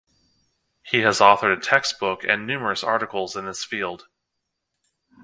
He has authored a textbook and numerous articles in this field.